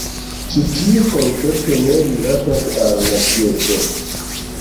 Ĉi tiu koncepto ne rilatas al nacieco.